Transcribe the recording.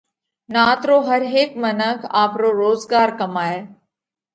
نات رو هر هيڪ منک آپرو روزڳار ڪمائہ۔